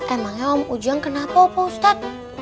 emangnya om ujang kenapa ustadz